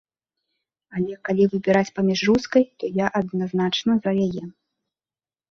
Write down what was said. Але калі выбіраць паміж рускай, то я адназначна за яе.